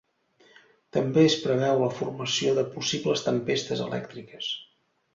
També es preveu la formació de possibles tempestes elèctriques.